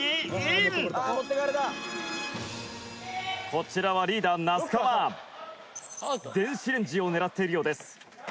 「こちらはリーダー・那須川」「電子レンジを狙っているようです」